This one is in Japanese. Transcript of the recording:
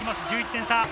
１１点差。